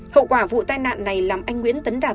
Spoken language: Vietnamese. hậu quả vụ tai nạn này làm anh nguyễn tấn đạt